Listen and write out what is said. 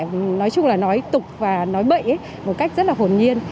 giới trẻ nói chung là nói tục và nói bậy ý một cách rất là hồn nhiên